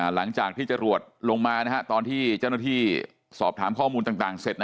หลังจากที่จรวดลงมาตอนที่เจ้าหน้าที่สอบถามข้อมูลต่างเสร็จ